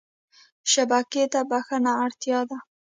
شبکې ته بښنه اړتیا ده.